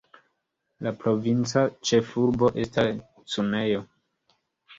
La provinca ĉefurbo estas Cuneo.